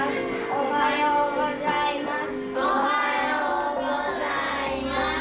おはようございます。